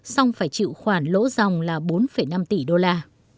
xong phải chịu khoản lỗ dòng là bốn năm tỷ đô la